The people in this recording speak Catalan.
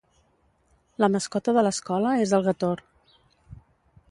La mascota de l'escola és el Gator.